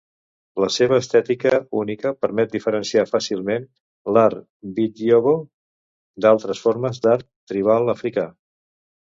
La seva estètica única permet diferenciar fàcilment l'art bidyogo d'altres formes d'art tribal africà.